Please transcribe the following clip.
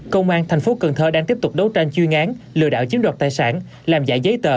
công an tp cần thơ đang tiếp tục đấu tranh chuyên án lừa đảo chiếm đoạt tài sản làm giải giấy tờ